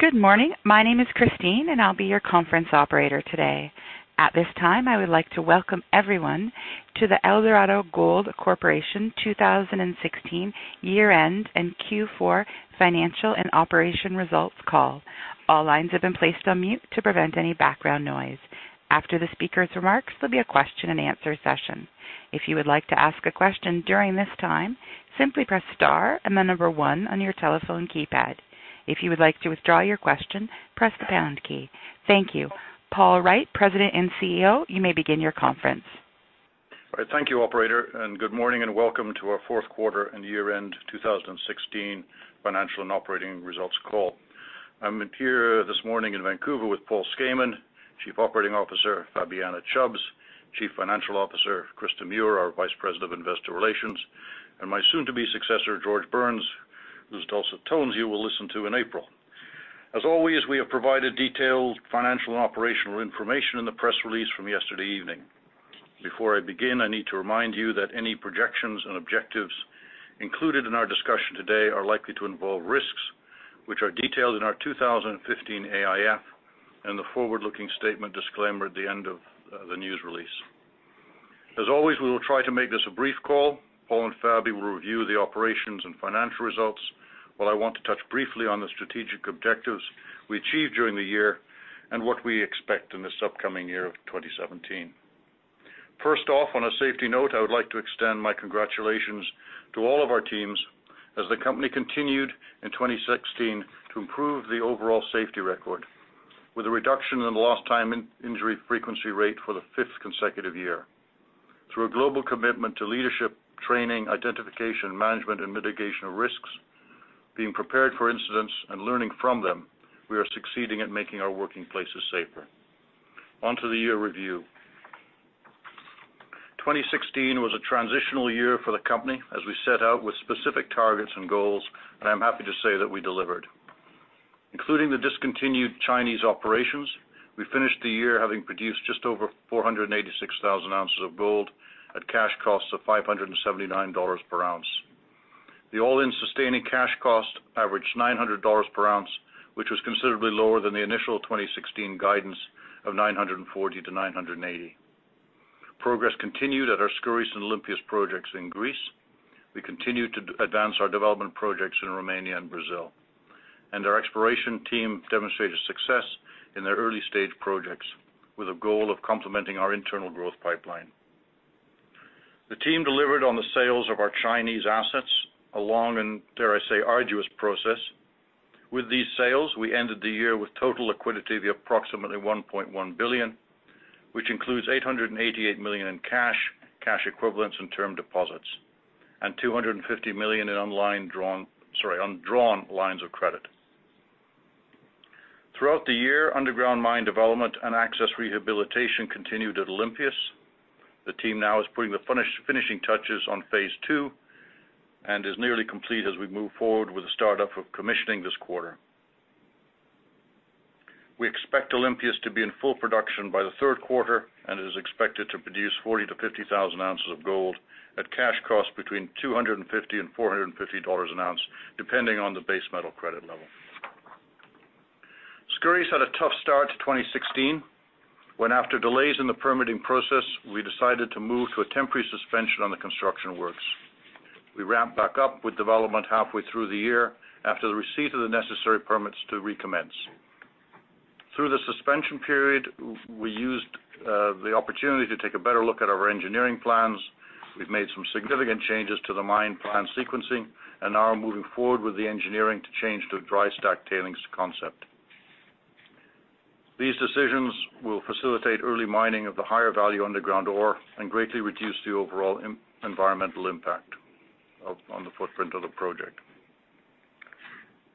Good morning. My name is Christine, and I'll be your conference operator today. At this time, I would like to welcome everyone to the Eldorado Gold Corporation 2016 year-end and Q4 Financial and Operational Results call. All lines have been placed on mute to prevent any background noise. After the speaker's remarks, there'll be a question and answer session. If you would like to ask a question during this time, simply press star and the number one on your telephone keypad. If you would like to withdraw your question, press the pound key. Thank you. Paul Wright, President and CEO, you may begin your conference. All right. Thank you, operator, and good morning and welcome to our fourth quarter and year-end 2016 financial and operating results call. I'm here this morning in Vancouver with Paul Skayman, Chief Operating Officer, Fabiana Chubbs, Chief Financial Officer, Krista Muhr, our Vice President of Investor Relations, and my soon-to-be successor, George Burns, whose dulcet tones you will listen to in April. As always, we have provided detailed financial and operational information in the press release from yesterday evening. Before I begin, I need to remind you that any projections and objectives included in our discussion today are likely to involve risks which are detailed in our 2015 AIF and the forward-looking statement disclaimer at the end of the news release. As always, we will try to make this a brief call. Paul and Fabby will review the operations and financial results, while I want to touch briefly on the strategic objectives we achieved during the year and what we expect in this upcoming year of 2017. First off, on a safety note, I would like to extend my congratulations to all of our teams as the company continued in 2016 to improve the overall safety record with a reduction in the lost time injury frequency rate for the fifth consecutive year. Through a global commitment to leadership training, identification, management and mitigation of risks, being prepared for incidents and learning from them, we are succeeding at making our working places safer. On to the year review. 2016 was a transitional year for the company as we set out with specific targets and goals, and I'm happy to say that we delivered. Including the discontinued Chinese operations, we finished the year having produced just over 486,000 ounces of gold at cash costs of $579 per ounce. The all-in sustaining cash cost averaged $900 per ounce, which was considerably lower than the initial 2016 guidance of $940-$980. Progress continued at our Skouries and Olympias projects in Greece. We continued to advance our development projects in Romania and Brazil. Our exploration team demonstrated success in their early-stage projects with a goal of complementing our internal growth pipeline. The team delivered on the sales of our Chinese assets, a long and, dare I say, arduous process. With these sales, we ended the year with total liquidity of approximately $1.1 billion, which includes $888 million in cash equivalents, and term deposits, and $250 million in undrawn lines of credit. Throughout the year, underground mine development and access rehabilitation continued at Olympias. The team now is putting the finishing touches on phase II and is nearly complete as we move forward with the startup of commissioning this quarter. We expect Olympias to be in full production by the third quarter and is expected to produce 40,000-50,000 ounces of gold at cash cost between $250 and $450 an ounce, depending on the base metal credit level. Skouries had a tough start to 2016, when after delays in the permitting process, we decided to move to a temporary suspension on the construction works. We ramped back up with development halfway through the year after the receipt of the necessary permits to recommence. Through the suspension period, we used the opportunity to take a better look at our engineering plans. We've made some significant changes to the mine plan sequencing and now are moving forward with the engineering to change to a dry stack tailings concept. These decisions will facilitate early mining of the higher value underground ore and greatly reduce the overall environmental impact on the footprint of the project.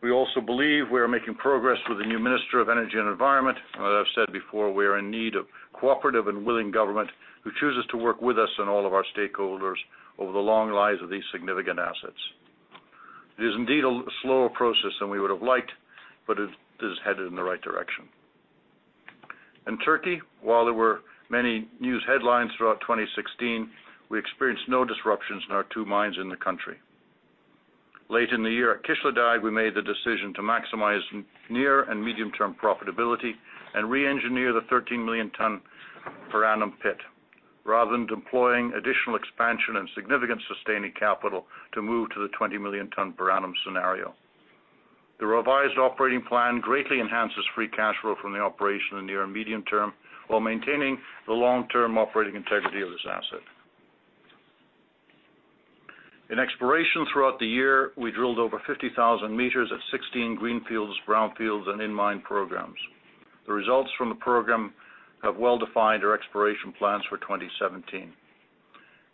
We also believe we are making progress with the new Minister of Energy and Environment, and as I've said before, we are in need of cooperative and willing government who chooses to work with us and all of our stakeholders over the long lives of these significant assets. It is indeed a slower process than we would have liked, but it is headed in the right direction. In Turkey, while there were many news headlines throughout 2016, we experienced no disruptions in our two mines in the country. Late in the year at Kışladağ, we made the decision to maximize near and medium-term profitability and re-engineer the 13 million ton per annum pit, rather than deploying additional expansion and significant sustaining capital to move to the 20 million ton per annum scenario. The revised operating plan greatly enhances free cash flow from the operation in the near and medium term while maintaining the long-term operating integrity of this asset. In exploration throughout the year, we drilled over 50,000 meters at 16 greenfields, brownfields, and in-mine programs. The results from the program have well-defined our exploration plans for 2017.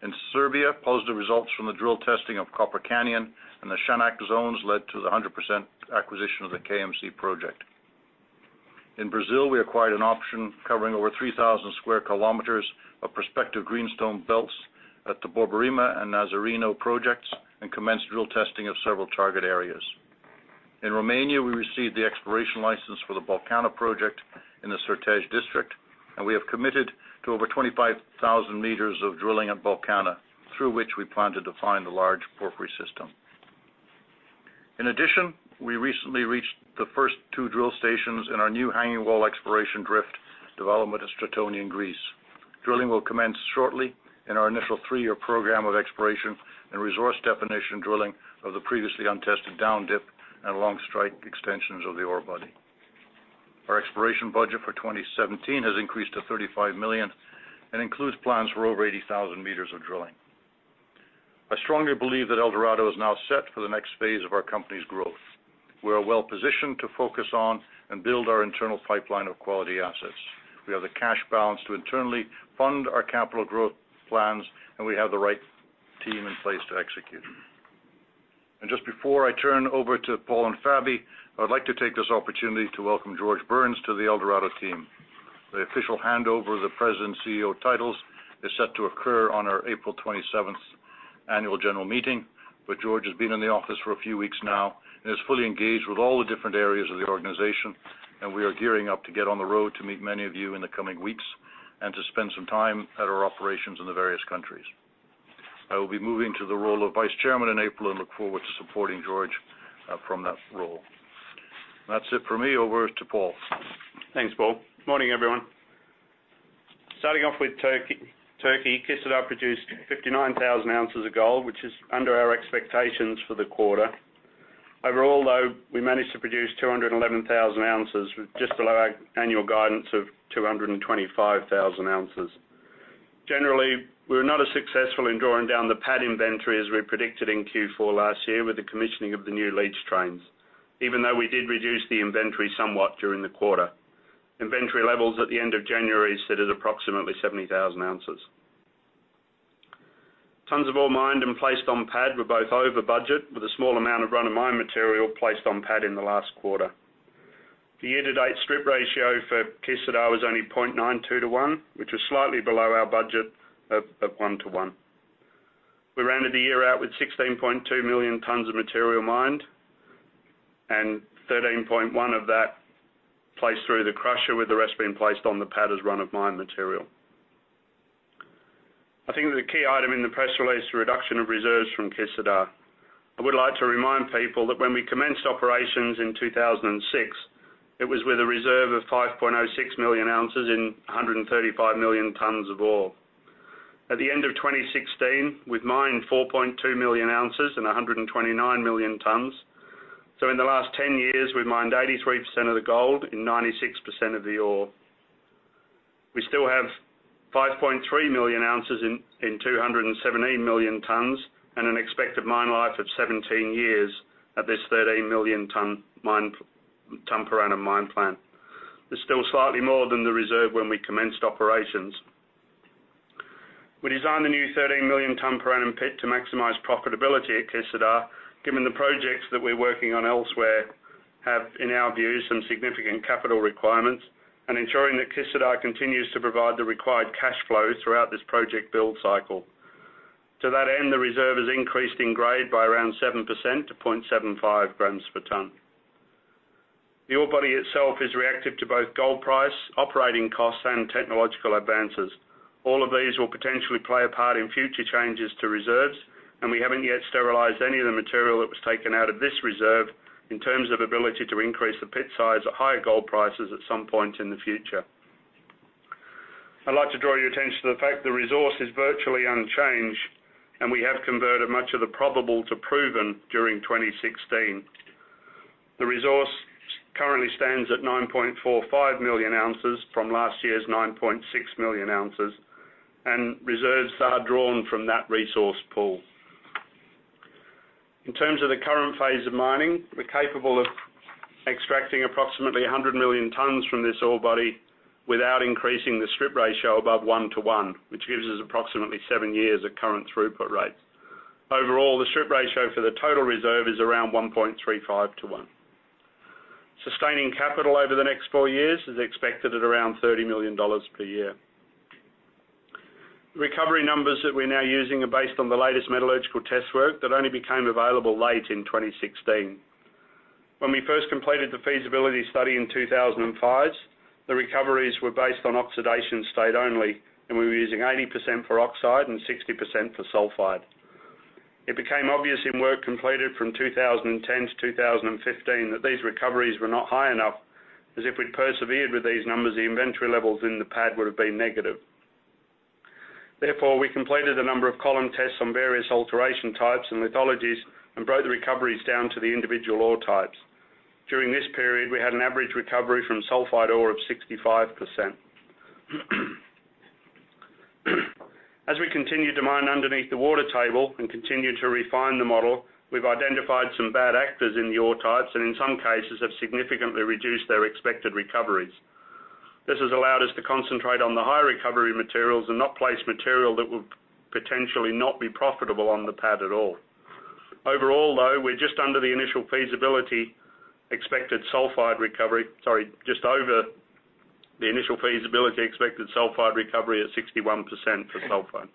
In Serbia, positive results from the drill testing of Copper Canyon and the Shanac zones led to the 100% acquisition of the KMC project. In Brazil, we acquired an option covering over 3,000 square kilometers of prospective greenstone belts at the Borborema and Nazareno projects and commenced drill testing of several target areas. In Romania, we received the exploration license for the Bolcana Project in the Certej District. We have committed to over 25,000 meters of drilling at Bolcana, through which we plan to define the large porphyry system. In addition, we recently reached the first two drill stations in our new Hanging Wall Exploration drift development at Stratoni in Greece. Drilling will commence shortly in our initial three-year program of exploration and resource definition drilling of the previously untested down-dip and along strike extensions of the ore body. Our exploration budget for 2017 has increased to $35 million and includes plans for over 80,000 meters of drilling. I strongly believe that Eldorado is now set for the next phase of our company's growth. We are well positioned to focus on and build our internal pipeline of quality assets. We have the cash balance to internally fund our capital growth plans, and we have the right team in place to execute. Just before I turn over to Paul and Fabiana, I would like to take this opportunity to welcome George Burns to the Eldorado team. The official handover of the President and CEO titles is set to occur on our April 27th annual general meeting, but George has been in the office for a few weeks now and is fully engaged with all the different areas of the organization, and we are gearing up to get on the road to meet many of you in the coming weeks, and to spend some time at our operations in the various countries. I will be moving to the role of Vice Chairman in April and look forward to supporting George from that role. That's it for me. Over to Paul. Thanks, Paul. Morning, everyone. Starting off with Turkey, Kışladağ produced 59,000 ounces of gold, which is under our expectations for the quarter. Overall, though, we managed to produce 211,000 ounces, with just below our annual guidance of 225,000 ounces. Generally, we were not as successful in drawing down the pad inventory as we predicted in Q4 last year with the commissioning of the new leach trains, even though we did reduce the inventory somewhat during the quarter. Inventory levels at the end of January sit at approximately 70,000 ounces. Tons of ore mined and placed on pad were both over budget, with a small amount of run-of-mine material placed on pad in the last quarter. The year-to-date strip ratio for Kışladağ was only 0.92:1, which was slightly below our budget of 1:1. We rounded the year out with 16.2 million tons of material mined and 13.1 million of that placed through the crusher, with the rest being placed on the pad as run-of-mine material. he key item in the press release is the reduction of reserves from Kışladağ. I would like to remind people that when we commenced operations in 2006, it was with a reserve of 5.06 million ounces and 135 million tons of ore. At the end of 2016, we'd mined 4.2 million ounces and 129 million tons. In the last 10 years, we've mined 83% of the gold and 96% of the ore. We still have 5.3 million ounces and 217 million tons and an expected mine life of 17 years at this 13 million tons per annum mine plan, which is still slightly more than the reserve when we commenced operations. We designed the new 13 million ton per annum pit to maximize profitability at Kışladağ, given the projects that we're working on elsewhere have, in our view, some significant capital requirements, and ensuring that Kışladağ continues to provide the required cash flow throughout this project build cycle. To that end, the reserve is increased in grade by around 7% to 0.75 grams per ton. The ore body itself is reactive to both gold price, operating costs, and technological advances. All of these will potentially play a part in future changes to reserves, and we haven't yet sterilized any of the material that was taken out of this reserve in terms of ability to increase the pit size at higher gold prices at some point in the future. I'd like to draw your attention to the fact the resource is virtually unchanged, and we have converted much of the probable to proven during 2016. The resource currently stands at 9.45 million ounces from last year's 9.6 million ounces, and reserves are drawn from that resource pool. In terms of the current phase of mining, we're capable of extracting approximately 100 million tons from this ore body without increasing the strip ratio above 1:1, which gives us approximately seven years of current throughput rates. Overall, the strip ratio for the total reserve is around 1.35:1. Sustaining capital over the next four years is expected at around $30 million per year. Recovery numbers that we're now using are based on the latest metallurgical test work that only became available late in 2016. When we first completed the feasibility study in 2005, the recoveries were based on oxidation state only, and we were using 80% for oxide and 60% for sulfide. It became obvious in work completed from 2010 to 2015 that these recoveries were not high enough, as if we'd persevered with these numbers, the inventory levels in the pad would have been negative. Therefore, we completed a number of column tests on various alteration types and lithologies and broke the recoveries down to the individual ore types. During this period, we had an average recovery from sulfide ore of 65%. As we continue to mine underneath the water table and continue to refine the model, we've identified some bad actors in the ore types, and in some cases have significantly reduced their expected recoveries. This has allowed us to concentrate on the high recovery materials and not place material that would potentially not be profitable on the pad at all. Overall, though, we're just over the initial feasibility expected sulfide recovery of 61% for sulfide.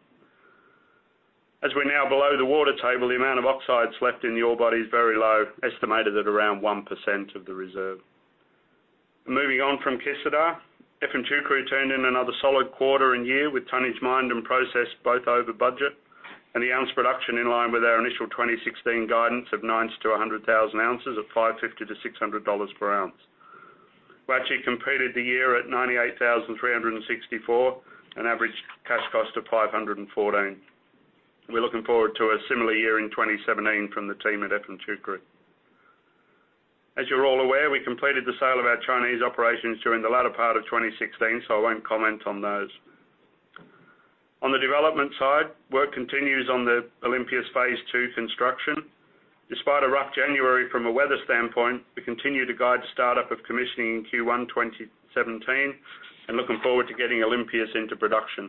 As we're now below the water table, the amount of oxides left in the ore body is very low, estimated at around 1% of the reserve. Moving on from Kışladağ, Efemçukuru turned in another solid quarter and year with tonnage mined and processed both over budget and the ounce production in line with our initial 2016 guidance of 90,000-100,000 ounces at $550-$600 per ounce. We actually completed the year at 98,364, an average cash cost of $514. We're looking forward to a similar year in 2017 from the team at Efemçukuru. As you're all aware, we completed the sale of our Chinese operations during the latter part of 2016, so I won't comment on those. On the development side, work continues on the Olympias phase II construction. Despite a rough January from a weather standpoint, we continue to guide startup of commissioning in Q1 2017 and looking forward to getting Olympias into production.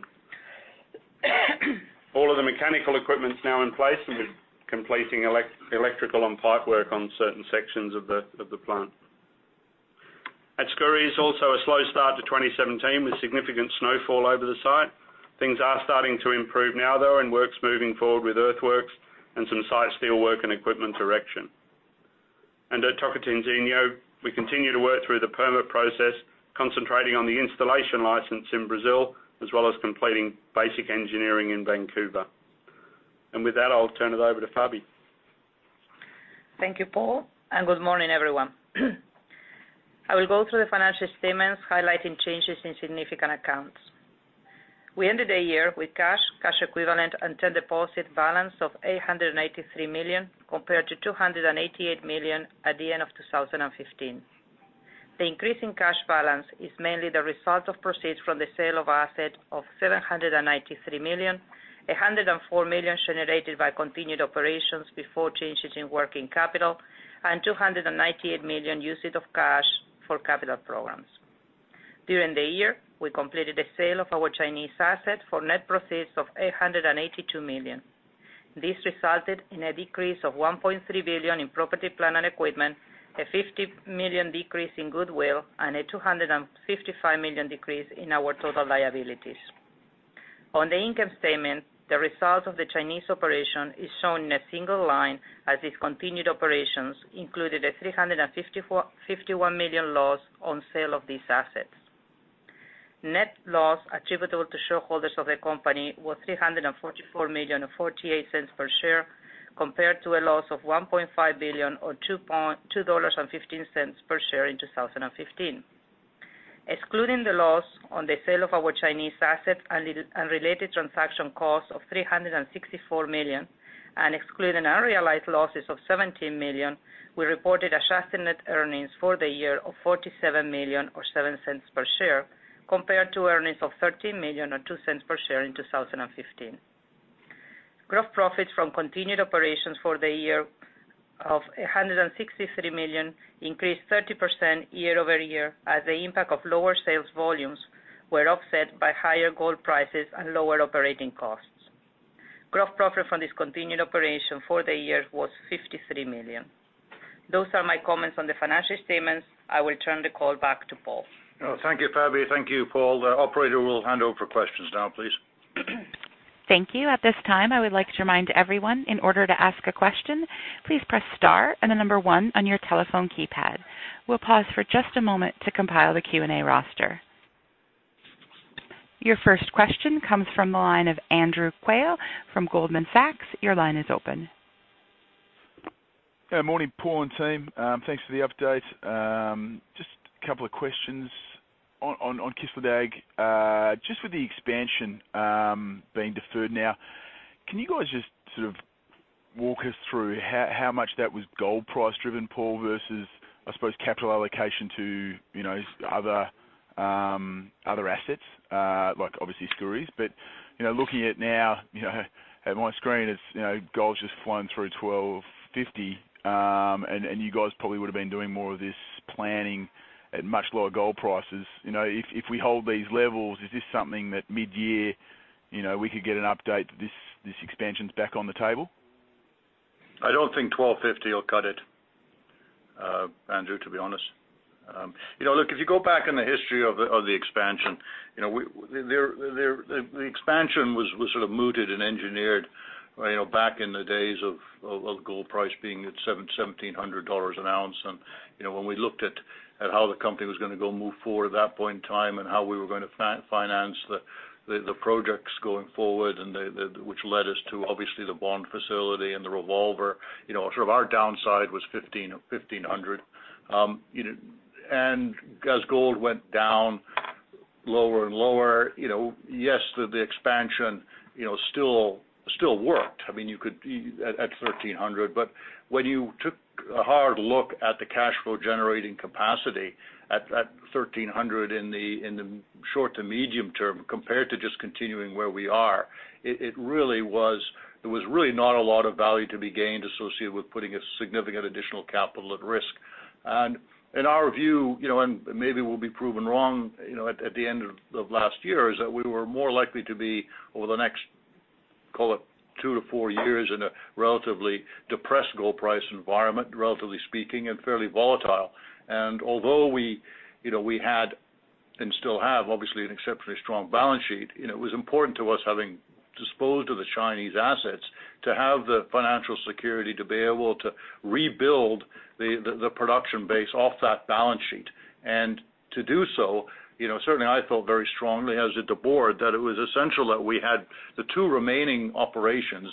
All of the mechanical equipment's now in place, and we're completing electrical and pipe work on certain sections of the plant. At Skouries, also a slow start to 2017 with significant snowfall over the site. Things are starting to improve now, though, and work's moving forward with earthworks and some site steel work and equipment erection. At Tocantinzinho, we continue to work through the permit process, concentrating on the Installation License in Brazil, as well as completing basic engineering in Vancouver. With that, I'll turn it over to Fabby. Thank you, Paul, and good morning, everyone. I will go through the financial statements, highlighting changes in significant accounts. We ended the year with cash equivalents, and term deposit balance of $883 million, compared to $288 million at the end of 2015. The increase in cash balance is mainly the result of proceeds from the sale of assets of $793 million, $104 million generated by continuing operations before changes in working capital, and $298 million usage of cash for capital programs. During the year, we completed the sale of our Chinese assets for net proceeds of $882 million. This resulted in a decrease of $1.3 billion in property, plant, and equipment, a $50 million decrease in goodwill, and a $255 million decrease in our total liabilities. On the income statement, the result of the Chinese operation is shown in a single line as discontinued operations included a $351 million loss on sale of these assets. Net loss attributable to shareholders of the company was $344 million or $0.48 per share, compared to a loss of $1.5 billion or $2.15 per share in 2015. Excluding the loss on the sale of our Chinese assets and related transaction costs of $364 million and excluding unrealized losses of $17 million, we reported adjusted net earnings for the year of $47 million or $0.07 per share, compared to earnings of $13 million or $0.02 per share in 2015. Gross profits from continued operations for the year of $163 million increased 30% year-over-year, as the impact of lower sales volumes were offset by higher gold prices and lower operating costs. Gross profit from discontinued operation for the year was $53 million. Those are my comments on the financial statements. I will turn the call back to Paul. Oh, thank you, Fabby. Thank you, Paul. The operator will hand over questions now, please. Thank you. At this time, I would like to remind everyone, in order to ask a question, please press star and the number one on your telephone keypad. We'll pause for just a moment to compile the Q&A roster. Your first question comes from the line of Andrew Quail from Goldman Sachs. Your line is open. Good morning, Paul and team. Thanks for the update. Just a couple of questions on Kışladağ. Just with the expansion being deferred now, can you guys just sort of walk us through how much that was gold price driven, Paul, versus, I suppose, capital allocation to other assets, like obviously Skouries. Looking now at my screen, gold's just flown through $1,250, and you guys probably would've been doing more of this planning at much lower gold prices. If we hold these levels, is this something that mid-year, we could get an update that this expansion's back on the table? I don't think $1,250 will cut it, Andrew, to be honest. Look, if you go back in the history of the expansion, the expansion was sort of mooted and engineered back in the days of gold price being at $1,700 an ounce. When we looked at how the company was gonna go move forward at that point in time and how we were going to finance the projects going forward, which led us to obviously the bond facility and the revolver, sort of our downside was $1,500. As gold went down lower and lower, yes, the expansion still worked at $1,300, but when you took a hard look at the cash flow generating capacity at $1,300 in the short to medium term, compared to just continuing where we are, there was really not a lot of value to be gained associated with putting a significant additional capital at risk. In our view, and maybe we'll be proven wrong at the end of last year, is that we were more likely to be over the next, call it two to four years, in a relatively depressed gold price environment, relatively speaking, and fairly volatile. Although we had, and still have, obviously, an exceptionally strong balance sheet. It was important to us having disposed of the Chinese assets, to have the financial security to be able to rebuild the production base off that balance sheet. To do so, certainly, I felt very strongly, as did the board, that it was essential that we had the two remaining operations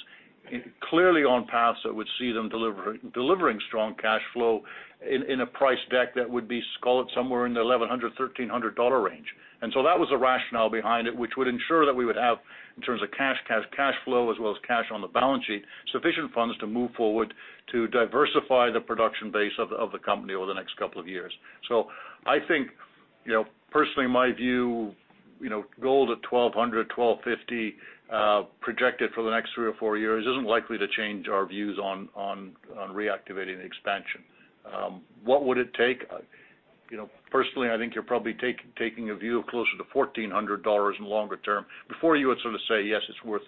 clearly on paths that would see them delivering strong cash flow in a price deck that would be scalloped somewhere in the $1,100-$1,300 range. That was the rationale behind it, which would ensure that we would have, in terms of cash flow as well as cash on the balance sheet, sufficient funds to move forward to diversify the production base of the company over the next couple of years. Personally, my view, gold at $1,200, $1,250, projected for the next three or four years isn't likely to change our views on reactivating the expansion. What would it take? Personally, I think you're probably taking a view of closer to $1,400 in longer term, before you would sort of say, yes, it's worth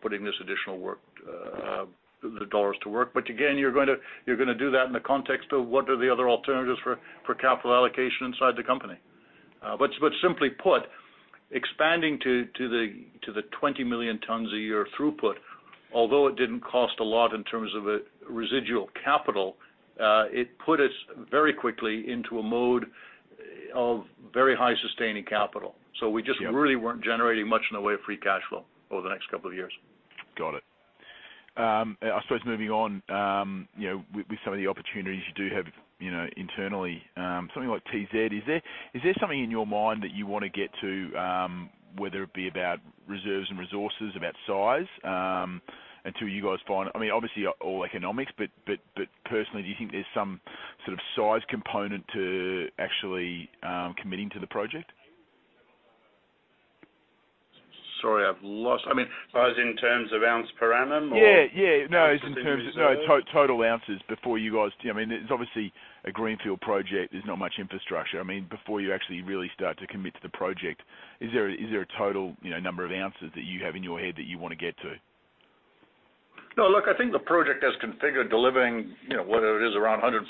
putting this additional work, the dollars to work. Again, you're going to do that in the context of what are the other alternatives for capital allocation inside the company? Simply put, expanding to the 20 million tons a year throughput, although it didn't cost a lot in terms of residual capital, it put us very quickly into a mode of very high sustaining capital. Yeah. We just really weren't generating much in the way of free cash flow over the next couple of years. Got it. I suppose moving on with some of the opportunities you do have internally, something like TZ. Is there something in your mind that you want to get to, whether it be about reserves and resources, about size, until you guys find. Obviously, all economics, but personally, do you think there's some sort of size component to actually committing to the project? Size in terms of ounce per annum, or? Yeah. No, it's in terms of. Potential reserves? total ounces before you guys. It's obviously a greenfield project. There's not much infrastructure. Before you actually really start to commit to the project, is there a total number of ounces that you have in your head that you want to get to? No, look, I think the project, as configured, delivering whatever it is, around 150.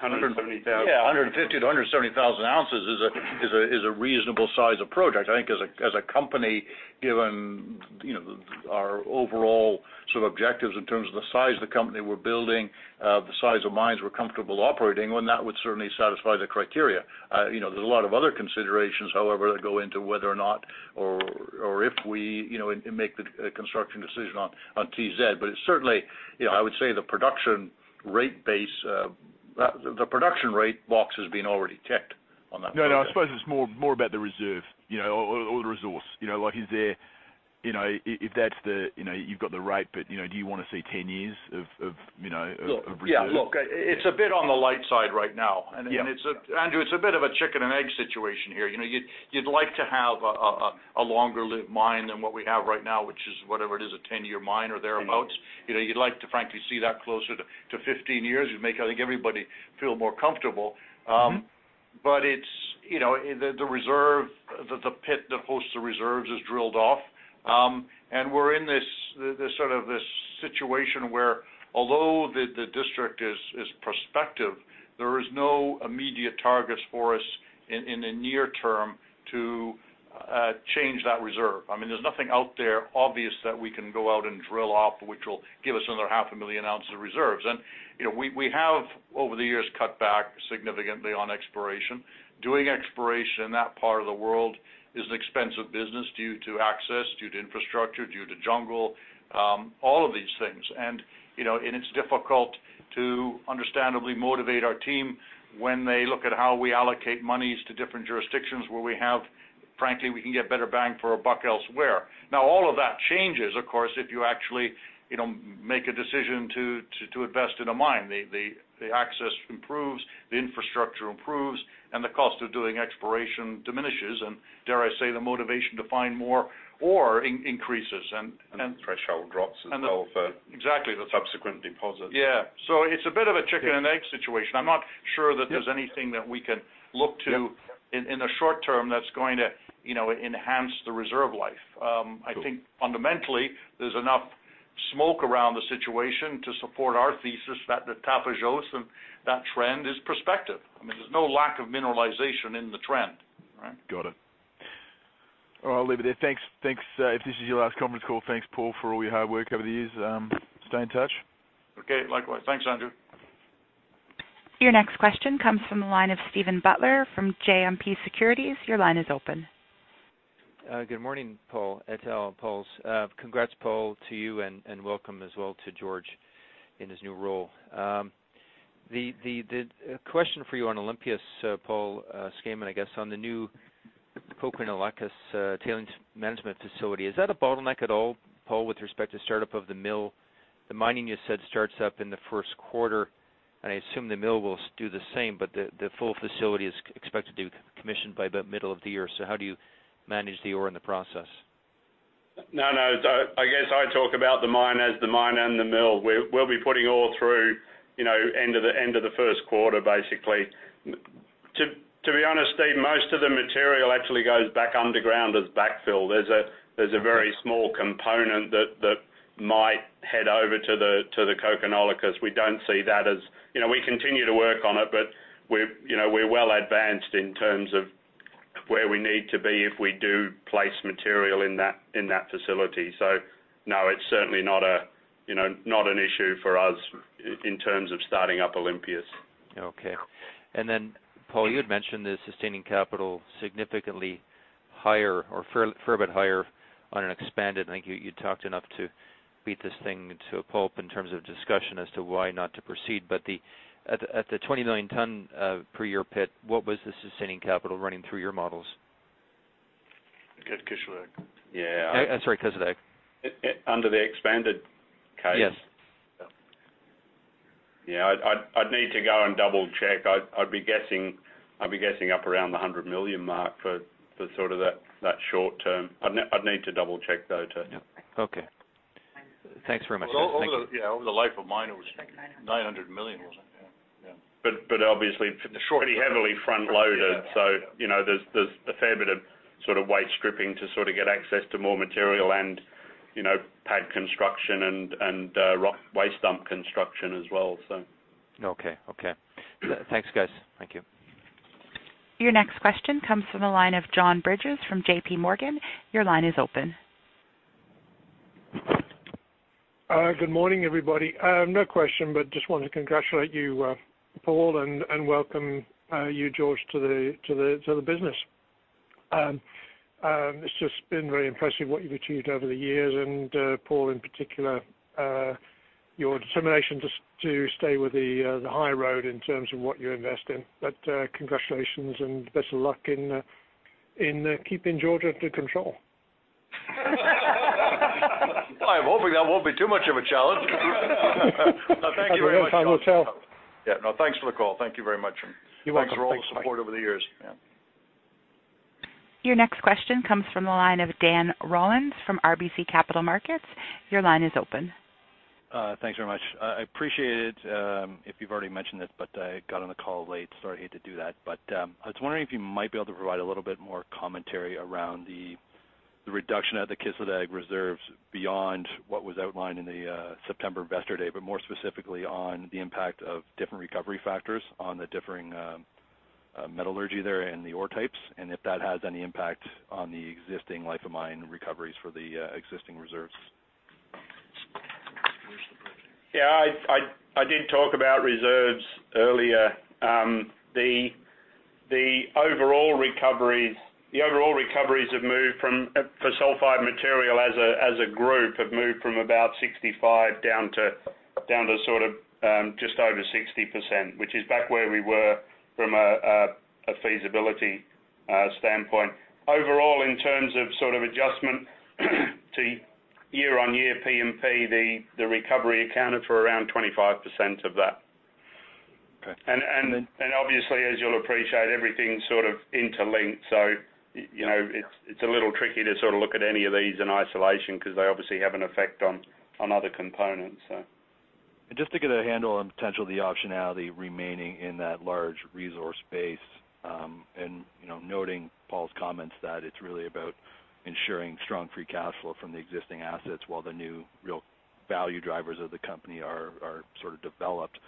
170,000. Yeah, 150,000-170,000 ounces is a reasonable size of project. I think as a company, given our overall sort of objectives in terms of the size of the company we're building, the size of mines we're comfortable operating, well, that would certainly satisfy the criteria. There's a lot of other considerations, however, that go into whether or not, or if we make the construction decision on TZ. It's certainly, I would say the production rate box has been already ticked on that project. No. I suppose it's more about the reserve, or the resource. If you've got the rate, but do you want to see 10 years of reserve? Yeah, look, it's a bit on the light side right now. Yeah. Andrew, it's a bit of a chicken and egg situation here. You'd like to have a longer lived mine than what we have right now, which is, whatever it is, a 10-year mine or thereabouts. You'd like to frankly see that closer to 15 years. It'd make, I think, everybody feel more comfortable. Mm-hmm. The reserve, the pit that hosts the reserves is drilled off. We're in this sort of situation where although the district is prospective, there is no immediate targets for us in the near term to change that reserve. There's nothing out there obvious that we can go out and drill off, which will give us another half a million ounces of reserves. We have, over the years, cut back significantly on exploration. Doing exploration in that part of the world is an expensive business due to access, due to infrastructure, due to jungle, all of these things. It's difficult to understandably motivate our team when they look at how we allocate monies to different jurisdictions where we have, frankly, we can get better bang for our buck elsewhere. Now, all of that changes, of course, if you actually make a decision to invest in a mine. The access improves, the infrastructure improves, and the cost of doing exploration diminishes. Dare I say, the motivation to find more ore increases. The threshold drops as well. Exactly The subsequent deposits. Yeah. It's a bit of a chicken and egg situation. I'm not sure that there's anything that we can look to in the short term that's going to enhance the reserve life. Cool. I think fundamentally, there's enough smoke around the situation to support our thesis that the Tapajos and that trend is prospective. There's no lack of mineralization in the trend. Right. Got it. All right. I'll leave it there. Thanks. If this is your last conference call, thanks, Paul, for all your hard work over the years. Stay in touch. Okay. Likewise. Thanks, Andrew. Your next question comes from the line of Steven Butler from GMP Securities. Your line is open. Good morning, Paul et al. and Pauls. Congrats, Paul, to you, and welcome as well to George in his new role. The question for you on Olympias, Paul Skayman, I guess, on the new Kokkinolakkas tailings management facility. Is that a bottleneck at all, Paul, with respect to startup of the mill? The mining, you said, starts up in the first quarter, and I assume the mill will do the same, but the full facility is expected to commission by about middle of the year. How do you manage the ore in the process? No. I guess I talk about the mine as the mine and the mill. We'll be putting ore through end of the first quarter, basically. To be honest, Steve, most of the material actually goes back underground as backfill. There's a very small component that might head over to the Kokkinolakkas, because we don't see that as. We continue to work on it, but we're well advanced in terms of where we need to be if we do place material in that facility. No, it's certainly not an issue for us in terms of starting up Olympias. Okay. Paul, you had mentioned the sustaining capital significantly higher or fair bit higher on an expanded. I think you talked enough to beat this thing to a pulp in terms of discussion as to why not to proceed, but at the 29 ton per year pit, what was the sustaining capital running through your models? At Kışladağ? Yeah. I'm sorry, Kışladağ. Under the expanded case? Yes. Yeah, I'd need to go and double check. I'd be guessing up around the $100 million mark for that short term. I'd need to double check, though. Okay. Thanks very much. Over the life of mine, it was like $900 million, wasn't it? Yeah. Obviously, pretty heavily front-loaded. There's a fair bit of waste stripping to get access to more material and pad construction and rock waste dump construction as well. Okay. Thanks, guys. Thank you. Your next question comes from the line of John Bridges from JP Morgan. Your line is open. Good morning, everybody. No question, but just wanted to congratulate you, Paul, and welcome you, George, to the business. It's just been very impressive what you've achieved over the years. Paul, in particular, your determination just to stay with the high road in terms of what you invest in. Congratulations and best of luck in keeping George under control. I'm hoping that won't be too much of a challenge. No, thank you very much, John. I will tell. Yeah. No, thanks for the call. Thank you very much. You're welcome. Thanks, bye. Thanks for all the support over the years. Yeah. Your next question comes from the line of Dan Rollins from RBC Capital Markets. Your line is open. Thanks very much. I appreciate it if you've already mentioned this, but I got on the call late, so I hate to do that. I was wondering if you might be able to provide a little bit more commentary around the reduction of the Kışladağ reserves beyond what was outlined in the September investor day, but more specifically on the impact of different recovery factors on the differing metallurgy there and the ore types, and if that has any impact on the existing life of mine recoveries for the existing reserves. Yeah, I did talk about reserves earlier. The overall recoveries have moved, for sulfide material as a group, have moved from about 65% down to just over 60%, which is back where we were from a feasibility standpoint. Overall, in terms of adjustment to year-on-year P&P, the recovery accounted for around 25% of that. Okay. Obviously, as you'll appreciate, everything's sort of interlinked. It's a little tricky to look at any of these in isolation because they obviously have an effect on other components. Just to get a handle on potentially the optionality remaining in that large resource base, and noting Paul's comments that it's really about ensuring strong free cash flow from the existing assets while the new real value drivers of the company are developed.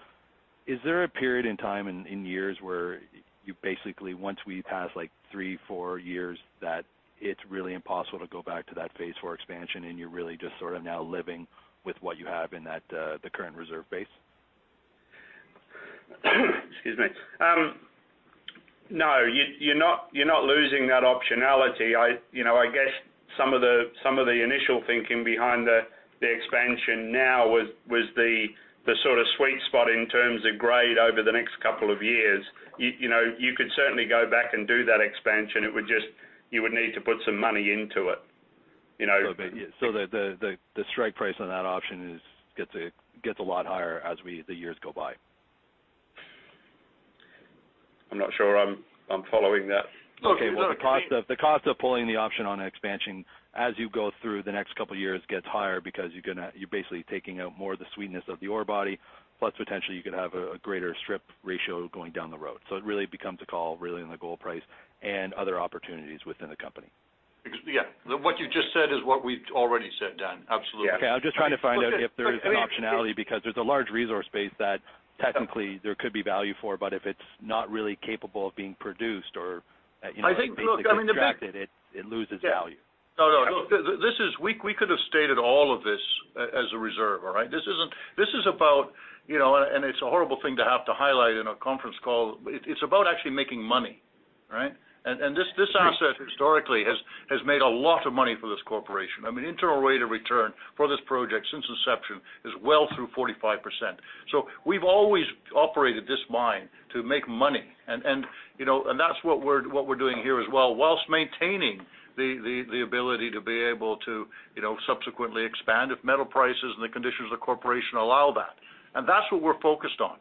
Is there a period in time in years where you basically, once we pass like three, four years, that it's really impossible to go back to that phase for expansion and you're really just sort of now living with what you have in the current reserve base? Excuse me. No, you're not losing that optionality. Some of the initial thinking behind the expansion now was the sort of sweet spot in terms of grade over the next couple of years. You could certainly go back and do that expansion. You would need to put some money into it. The strike price on that option gets a lot higher as the years go by. I'm not sure I'm following that. Okay. Well, the cost of pulling the option on expansion as you go through the next couple of years gets higher because you're basically taking out more of the sweetness of the ore body, plus potentially you could have a greater strip ratio going down the road. It really becomes a call on the gold price and other opportunities within the company. Because, yeah. What you just said is what we've already said, Dan. Absolutely. Okay. I'm just trying to find out if there is an optionality, because there's a large resource base that technically there could be value for, but if it's not really capable of being produced or. Look, I mean the. Basically extracted, it loses value. No, no. We could have stated all of this as a reserve. All right? This is about, it's a horrible thing to have to highlight in a conference call. It's about actually making money, right? Sure. This asset historically has made a lot of money for this corporation. I mean, internal rate of return for this project since inception is well through 45%. We've always operated this mine to make money, and that's what we're doing here as well, while maintaining the ability to be able to subsequently expand if metal prices and the conditions of the corporation allow that. That's what we're focused on.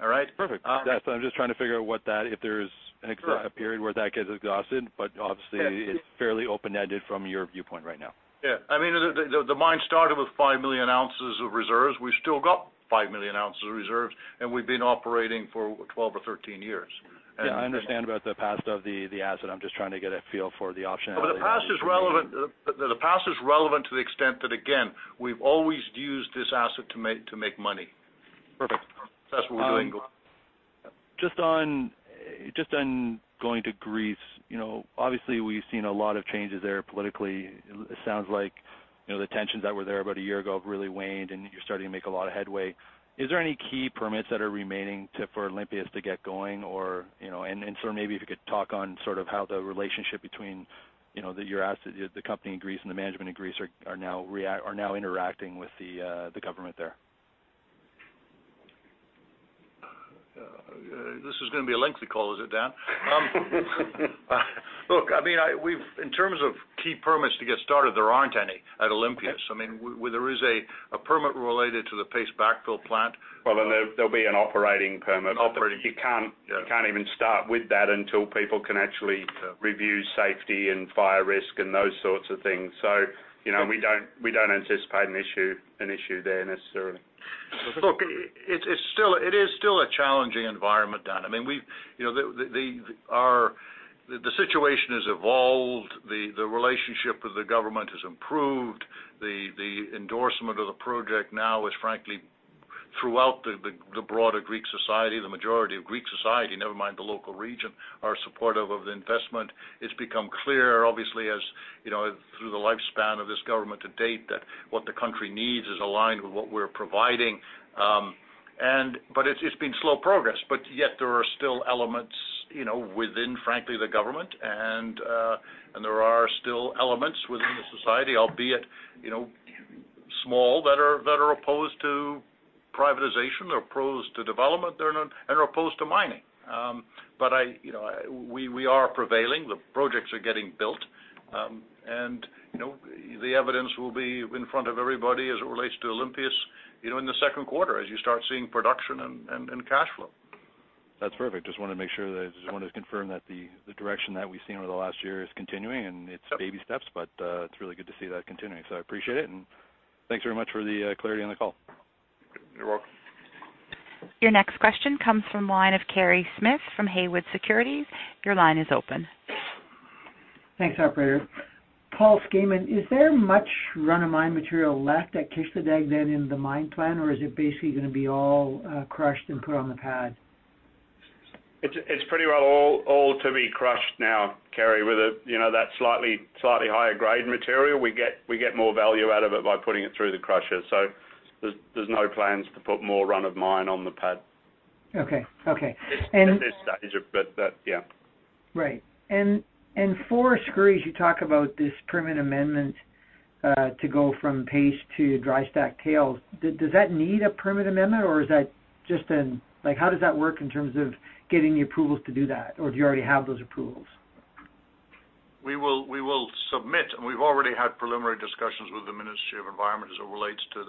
All right? Perfect. I'm just trying to figure out if there's a period where that gets exhausted, but obviously it's fairly open-ended from your viewpoint right now. Yeah. The mine started with 5 million ounces of reserves. We've still got 5 million ounces of reserves, and we've been operating for 12 or 13 years. Yeah, I understand about the past of the asset. I'm just trying to get a feel for the optionality. The past is relevant to the extent that, again, we've always used this asset to make money. Perfect. That's what we're doing. Just on going to Greece, obviously we've seen a lot of changes there politically. It sounds like the tensions that were there about a year ago have really waned, and you're starting to make a lot of headway. Are there any key permits that are remaining for Olympias to get going? Then maybe if you could talk on how the relationship between the company in Greece and the management in Greece are now interacting with the government there. This is going to be a lengthy call, is it, Dan? Look, in terms of key permits to get started, there aren't any at Olympias. There is a permit related to the paste backfill plant. Well, there'll be an operating permit. Operating. You can't even start with that until people can actually review safety and fire risk and those sorts of things. We don't anticipate an issue there necessarily. Look, it is still a challenging environment, Dan. The situation has evolved. The relationship with the government has improved. The endorsement of the project now is frankly throughout the broader Greek society. The majority of Greek society, never mind the local region, are supportive of the investment. It's become clear, obviously, through the lifespan of this government to date, that what the country needs is aligned with what we're providing. It's been slow progress, but yet there are still elements within, frankly, the government and there are still elements within the society, albeit small, that are opposed to privatization, or opposed to development, and are opposed to mining. We are prevailing. The projects are getting built. The evidence will be in front of everybody as it relates to Olympias, in the second quarter as you start seeing production and cash flow. That's perfect. Just wanted to confirm that the direction that we've seen over the last year is continuing, and it's baby steps, but it's really good to see that continuing, so I appreciate it and thanks very much for the clarity on the call. You're welcome. Your next question comes from the line of Kerry Smith from Haywood Securities. Your line is open. Thanks, operator. Paul Skayman, is there much run-of-mine material left at Kışladağ then in the mine plan, or is it basically going to be all crushed and put on the pad? It's pretty well all to be crushed now, Kerry. With that slightly higher grade material, we get more value out of it by putting it through the crusher. There's no plans to put more run-of-mine on the pad. Okay. At this stage, but yeah. Right. For Skouries, you talk about this permit amendment to go from paste to dry stack tailings. Does that need a permit amendment or how does that work in terms of getting the approvals to do that? Or do you already have those approvals? We will submit, and we've already had preliminary discussions with the Ministry of Environment as it relates to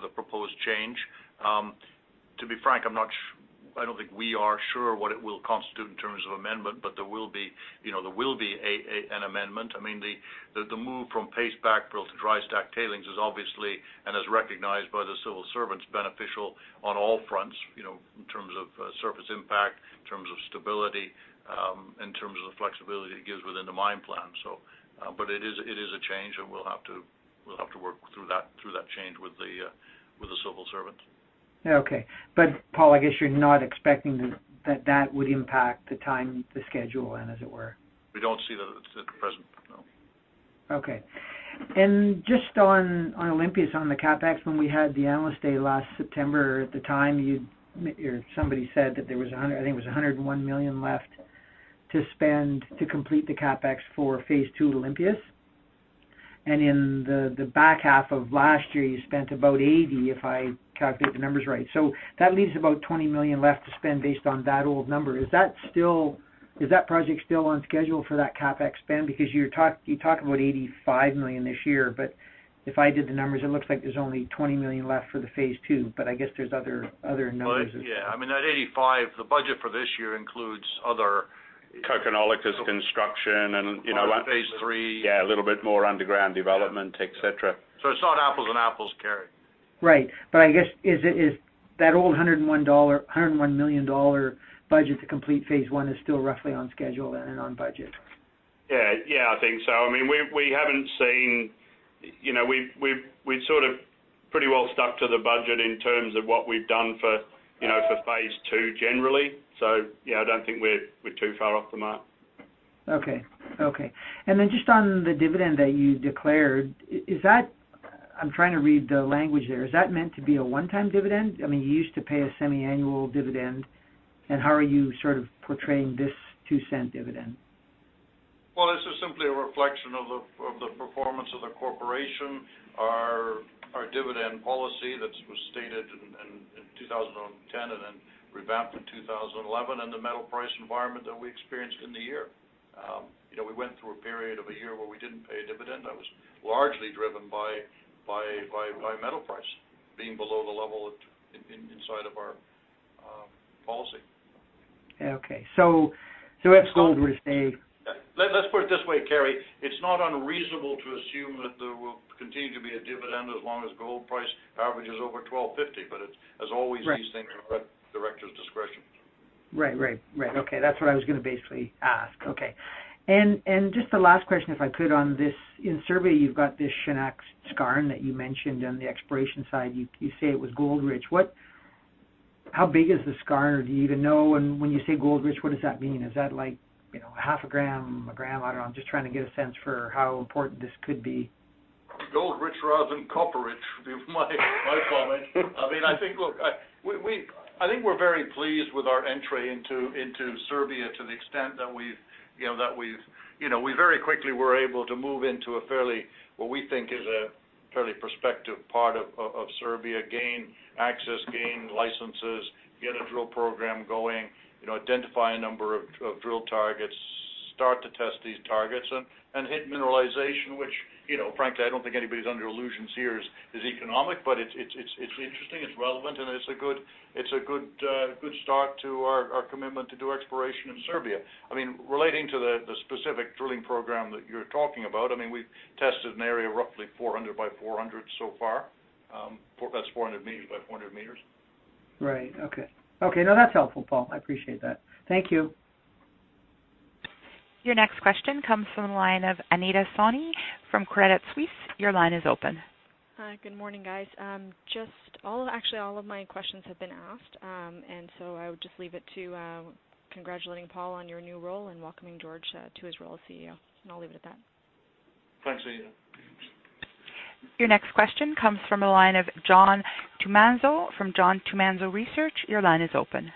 the proposed change. To be frank, I don't think we are sure what it will constitute in terms of amendment, but there will be an amendment. The move from paste backfill to dry stack tailings is obviously, and as recognized by the civil servants, beneficial on all fronts, in terms of surface impact, in terms of stability, in terms of the flexibility it gives within the mine plan. It is a change, and we'll have to work through that change with the civil servant. Okay. Paul, I guess you're not expecting that would impact the time, the schedule then, as it were. We don't see that at present, no. Okay. Just on Olympias, on the CapEx, when we had the Analyst Day last September, at the time, somebody said that there was, I think it was $101 million left to spend to complete the CapEx for phase II Olympias. In the back half of last year, you spent about $80 million, if I calculate the numbers right. That leaves about $20 million left to spend based on that old number. Is that project still on schedule for that CapEx spend? Because you talk about $85 million this year, but if I did the numbers, it looks like there's only $20 million left for the phase II, but I guess there's other numbers. Well, yeah. That $85, the budget for this year includes other Kokkinolakkas construction and- Phase III. Yeah, a little bit more underground development, et cetera. It's not apples and apples, Kerry. Right. Is that old $101 million budget to complete phase I still roughly on schedule and on budget? Yeah, I think so. We've pretty well stuck to the budget in terms of what we've done for phase II generally. I don't think we're too far off the mark. Okay. Just on the dividend that you declared, I'm trying to read the language there. Is that meant to be a one-time dividend? You used to pay a semi-annual dividend, and how are you portraying this $0.02 dividend? Well, this is simply a reflection of the performance of the corporation, our dividend policy that was stated in 2010 and then revamped in 2011, and the metal price environment that we experienced in the year. We went through a period of a year where we didn't pay a dividend that was largely driven by metal price being below the level inside of our policy. Okay. If gold were to stay. Let's put it this way, Kerry. It's not unreasonable to assume that there will continue to be a dividend as long as gold price averages over $1,250. As always, these things are at the directors' discretion. Right. Okay. That's what I was going to basically ask. Okay. And just the last question, if I could on this. In Serbia, you've got this Shanac skarn that you mentioned on the exploration side. You say it was gold rich. How big is the skarn? Do you even know? When you say gold rich, what does that mean? Is that like half a gram, a gram? I don't know. I'm just trying to get a sense for how important this could be. Gold rich rather than copper rich would be my comment. Look, I think we're very pleased with our entry into Serbia to the extent that we very quickly were able to move into a fairly, what we think is a fairly prospective part of Serbia, gain access, gain licenses, get a drill program going, identify a number of drill targets, start to test these targets and hit mineralization, which, frankly, I don't think anybody's under illusions here is economic, but it's interesting, it's relevant, and it's a good start to our commitment to do exploration in Serbia. Relating to the specific drilling program that you're talking about, we've tested an area roughly 400 meters by 400 meters so far. That's 400 meters by 400 meters. Right. Okay. Now that's helpful, Paul. I appreciate that. Thank you. Your next question comes from the line of Anita Soni from Credit Suisse. Your line is open. Hi, good morning, guys. Actually all of my questions have been asked. I would just leave it to congratulating Paul on your new role and welcoming George to his role as CEO. I'll leave it at that. Thanks, Anita. Your next question comes from the line of John Tumazos from John Tumazos Research. Your line is open.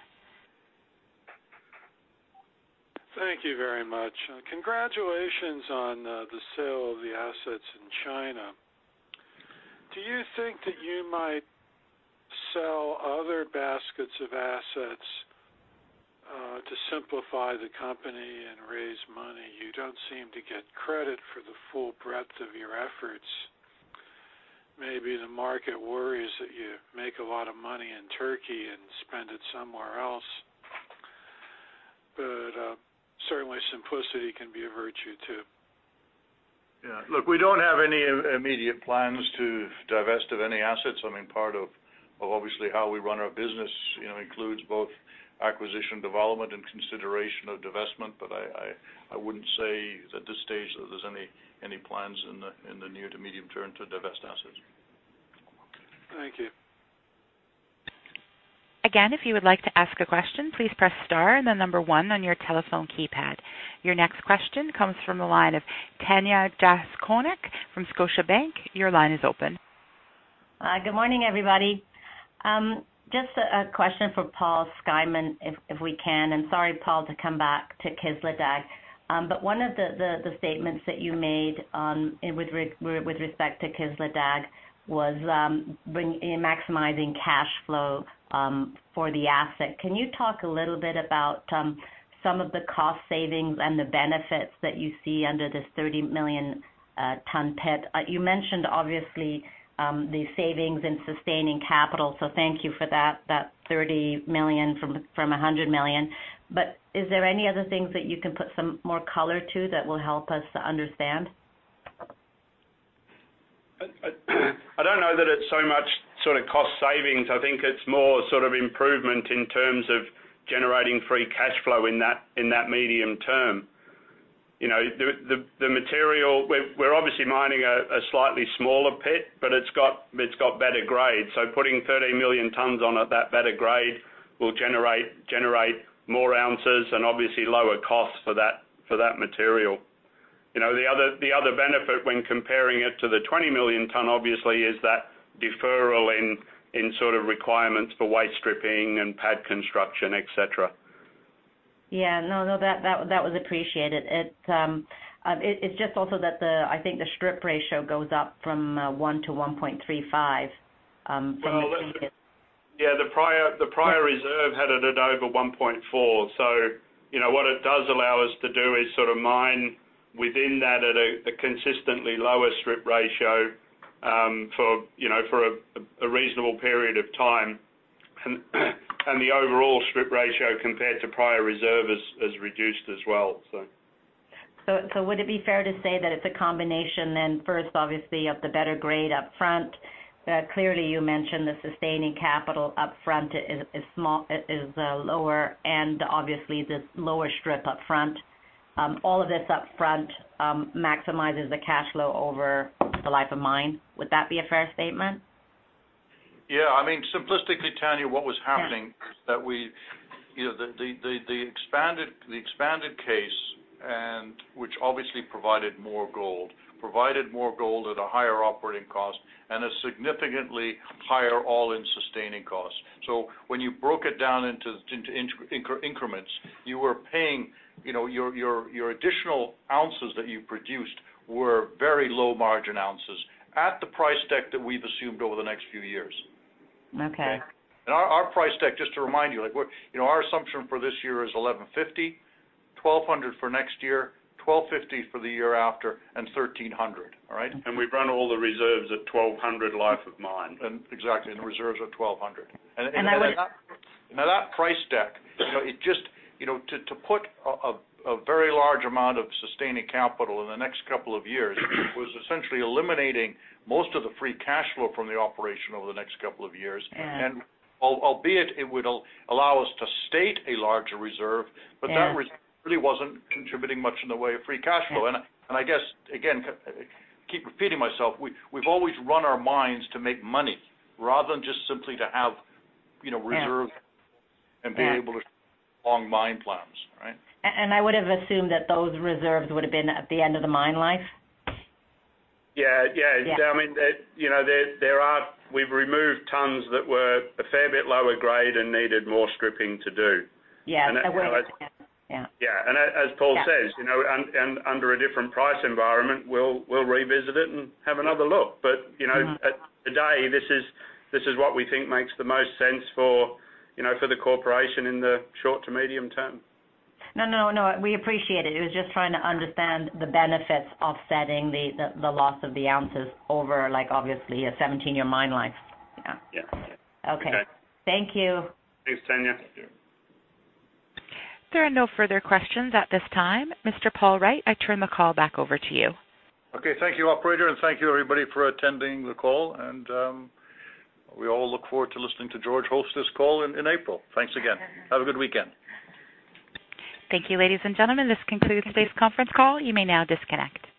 Thank you very much. Congratulations on the sale of the assets in China. Do you think that you might sell other baskets of assets, to simplify the company and raise money? You don't seem to get credit for the full breadth of your efforts. Maybe the market worries that you make a lot of money in Turkey and spend it somewhere else. Certainly simplicity can be a virtue too. Yeah. Look, we don't have any immediate plans to divest of any assets. Part of obviously how we run our business includes both acquisition development and consideration of divestment. I wouldn't say at this stage there's any plans in the near to medium term to divest assets. Thank you. Your next question comes from the line of Tanya Jakusconek from Scotiabank. Your line is open. Hi, good morning, everybody. Just a question for Paul Skayman, if we can, and sorry, Paul, to come back to Kışladağ. One of the statements that you made with respect to Kışladağ was in maximizing cash flow for the asset. Can you talk a little bit about some of the cost savings and the benefits that you see under this 30 million ton pit? You mentioned obviously, the savings in sustaining capital, so thank you for that $30 million from $100 million. Is there any other things that you can put some more color to that will help us to understand? I don't know that it's so much sort of cost savings. I think it's more sort of improvement in terms of generating free cash flow in that medium term. The material, we're obviously mining a slightly smaller pit, but it's got better grades. Putting 30 million tons on it, that better grade will generate more ounces and obviously lower costs for that material. The other benefit when comparing it to the 20 million ton, obviously, is that deferral in sort of requirements for waste stripping and pad construction, et cetera. Yeah. No, that was appreciated. It's just also that I think the strip ratio goes up from 1-1.35 from the previous pit. Yeah, the prior reserve had it at over 1.4. What it does allow us to do is sort of mine within that at a consistently lower strip ratio, for a reasonable period of time. The overall strip ratio compared to prior reserve has reduced as well. Would it be fair to say that it's a combination then, first, obviously of the better grade up front? Clearly, you mentioned the sustaining capital up front is lower, and obviously the lower strip up front. All of this up front maximizes the cash flow over the life of mine. Would that be a fair statement? Yeah. Simplistically, Tanya, what was happening is that the expanded case, and which obviously provided more gold, provided more gold at a higher operating cost and a significantly higher all-in sustaining cost. When you broke it down into increments, your additional ounces that you produced were very low margin ounces at the price deck that we've assumed over the next few years. Okay. Our price deck, just to remind you, our assumption for this year is $1,150, $1,200 for next year, $1,250 for the year after, and $1,300. All right? We've run all the reserves at $1,200 life of mine. Exactly, reserves are $1,200. I would Now that price deck, to put a very large amount of sustaining capital in the next couple of years was essentially eliminating most of the free cash flow from the operation over the next couple of years. Yeah. Albeit it would allow us to state a larger reserve. Yeah That reserve really wasn't contributing much in the way of free cash flow. Yeah. Again, keep repeating myself, we've always run our mines to make money rather than just simply to have reserve, and be able to long-term mine plans, right? I would've assumed that those reserves would've been at the end of the mine life? Yeah. We've removed tons that were a fair bit lower grade and needed more stripping to do. Yeah. That would make sense. Yeah. Yeah. As Paul says, under a different price environment, we'll revisit it and have another look. At the end of the day, this is what we think makes the most sense for the corporation in the short to medium term. No, we appreciate it. It was just trying to understand the benefits offsetting the loss of the ounces over like obviously a 17-year mine life. Yeah. Yeah. Okay. Okay. Thank you. Thanks, Tanya. Thank you. There are no further questions at this time. Mr. Paul Wright, I turn the call back over to you. Okay. Thank you, operator, and thank you everybody for attending the call, and we all look forward to listening to George host this call in April. Thanks again. Have a good weekend. Thank you, ladies and gentlemen. This concludes today's conference call. You may now disconnect.